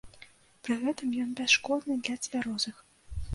Пры гэтым ён бясшкодны для цвярозых.